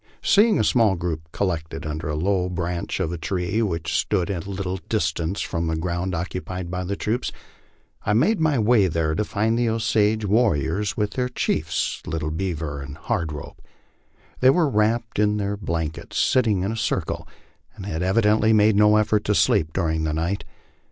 Seeing a small group collected under the low branches of a tree which stood a little distance from the ground occupied by the troops, I made my way there to find the Osage warriors with their chiefs Little Beaver and Hard Rope, They were wrapped up in their blankets sitting in a circle, and had evidently made no effort to sleep during the night.